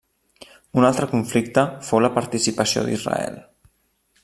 Un altre conflicte fou la participació d'Israel.